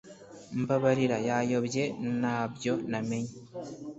mbabarira yayobye ntabyo namenye